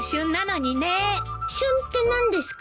旬って何ですか？